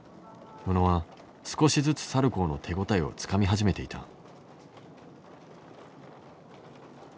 宇野は少しずつサルコーの手応えをつかみ始めていた。